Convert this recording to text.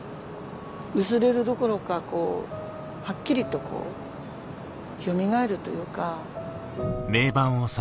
薄れるどころかはっきりとこうよみがえるというか。